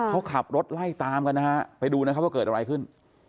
เขาขับรถไล่ตามกันนะฮะไปดูนะครับว่าเกิดอะไรขึ้น